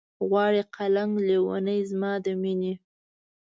غواړي قلنګ لېونے زما د مينې